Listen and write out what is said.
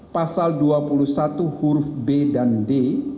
pasal dua puluh satu huruf b dan d